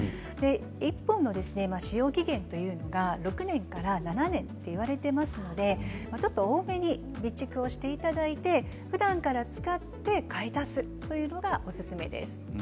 １本の使用期限は６年から７年といわれていますので多めに備蓄していただいてふだんから使って買い足すのがおすすめです。